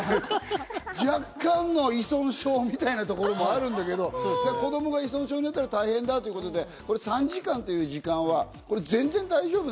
若干の依存症みたいなところもあるんだけど、子供が依存症になったら大変ということで、３時間という時間は全然大丈夫。